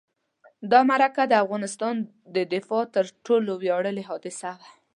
دا معرکه د افغانستان د دفاع تر ټولو ویاړلې حادثه وه.